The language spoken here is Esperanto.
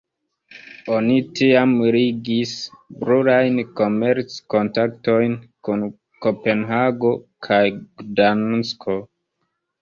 Oni tiam ligis plurajn komerc-kontaktojn kun Kopenhago kaj Gdansko.